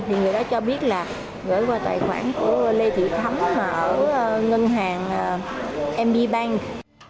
thì người đó cho biết là gửi qua tài khoản của lê thị thấm ở ngân hàng md bank